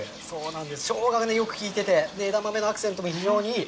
しょうががよく効いて、枝豆のアクセントも非常にいい。